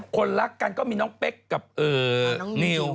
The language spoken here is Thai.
คนรักกันก็มีน้องเป๊กกับนิว